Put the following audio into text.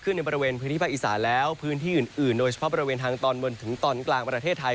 ในบริเวณพื้นที่ภาคอีสานแล้วพื้นที่อื่นโดยเฉพาะบริเวณทางตอนบนถึงตอนกลางประเทศไทย